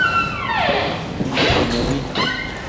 konyo kiy